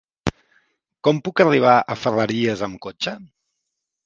Com puc arribar a Ferreries amb cotxe?